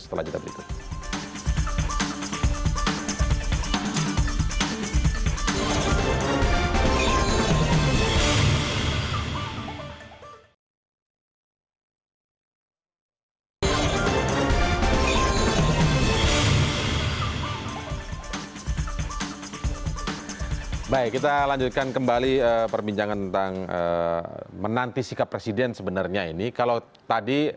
setelah kita berikut